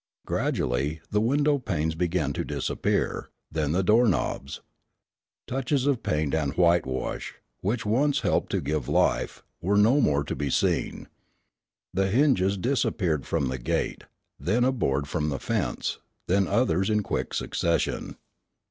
Gradually, the window panes began to disappear, then the door knobs. Touches of paint and whitewash, which once helped to give life, were no more to be seen. The hinges disappeared from the gate, then a board from the fence, then others in quick succession.